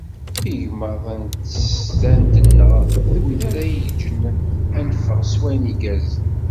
Igmaḍ n tsestant-nneɣ d wid ara ɣ-yeǧǧen ad d-neffeɣ s wayen igerrzen.